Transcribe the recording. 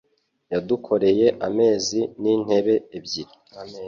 Yadukoreye ameza n'intebe ebyiri.